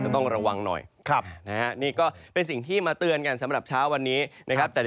ต้องไปเตือนกันสำหรับเช้าวันนี้นะครับ